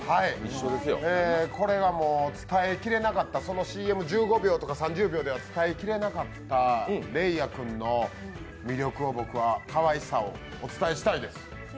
これが伝えきれなかったＣＭ１５秒とか３０秒では伝えきれなかったレイアくんの魅力をかわいさをお伝えしたいです。